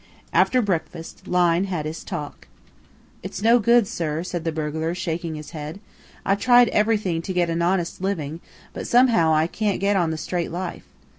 After breakfast, Lyne had his talk. "It's no good, sir," said the burglar, shaking his head. "I've tried everything to get an honest living, but somehow I can't get on in the straight life.